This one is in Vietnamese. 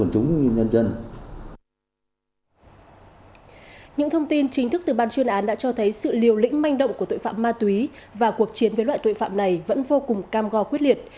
trình thức từ ban chuyên án đã cho thấy sự liều lĩnh manh động của tội phạm ma túy và cuộc chiến với loại tội phạm này vẫn vô cùng cam go quyết liệt